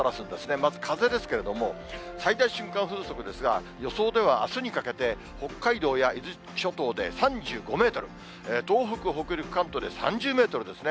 まず、風ですけれども、最大瞬間風速ですが、予想ではあすにかけて、北海道や伊豆諸島で３５メートル、東北、北陸、関東で３０メートルですね。